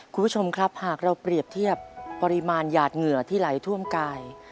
คุณผู้ชมครับหากเราเปรียบเทียบปริมาณหยาดเหงื่อที่ไหลท่วมกาย